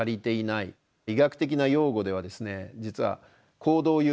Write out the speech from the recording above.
医学的な用語ではですね